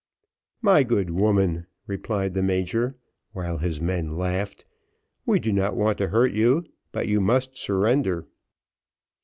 "My good woman," replied the major, while his men laughed, "we do not want to hurt you, but you must surrender."